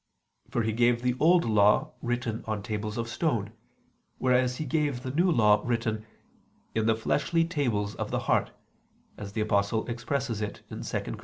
For He gave the Old Law written on tables of stone: whereas He gave the New Law written "in the fleshly tables of the heart," as the Apostle expresses it (2 Cor.